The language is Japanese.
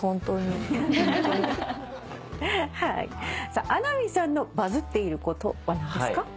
さあ穴見さんのバズっていることは何ですか？